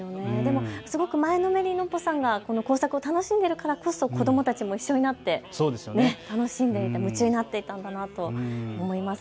すごく前のめりにノッポさんが工作を楽しんでいるからこそ子どもたちも一緒になって楽しんでいたんだと思います。